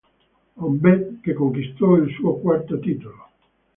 Honvéd, che conquistò il suo quarto titolo.